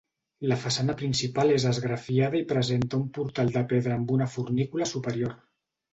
La façana principal és esgrafiada i presenta un portal de pedra amb una fornícula superior.